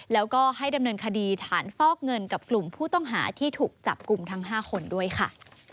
แล้วก็ให้ดำเนินคดีฐานฟอกเงินกับกลุ่มผู้ต้องหาที่ถูกจับกลุ่มทั้ง๕คนด้วยค่ะ